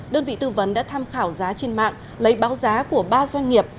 đơn vị tư vấn đã tham khảo giá trên mạng lấy báo giá của ba doanh nghiệp